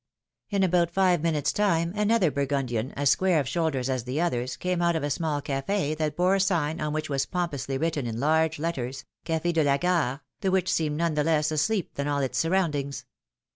In about five minutes' time another Burgundian, as square of shoulders as the others, came out of a small cafe that bore a sign on which was pompously written in large letters Cafe de la Gai'e, the which seemed none the less asleep than all its surroundings.